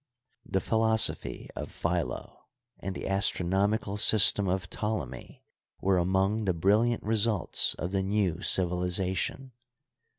The philosophy of Philo and the astronomical system of Ptolemy were among the brilliant results of the new civili zation.